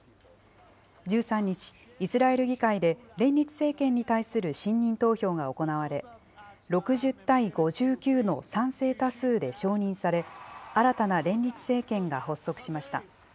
１３日、イスラエル議会で、連立政権に対する信任投票が行われ、６０対５９の賛成多数で承認され、新たな連立政権が発足しました。